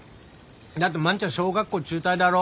だって万ちゃん小学校中退だろ？